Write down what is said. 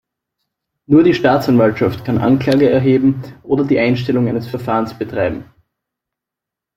Nur die Staatsanwaltschaft kann Anklage erheben oder die Einstellung eines Verfahrens betreiben.